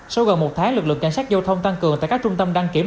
sau gần một tháng lực lượng cảnh sát giao thông tăng cường tại các trung tâm đăng kiểm